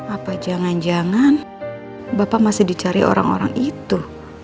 apa jangan jangan bapak masih dicari orang orang itu